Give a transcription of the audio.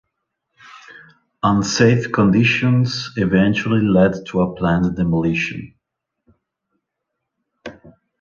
Unsafe conditions eventually led to a planned demolition.